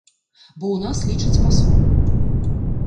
Бо ў нас лічаць па-свойму.